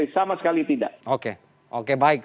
sama sekali tidak oke oke baik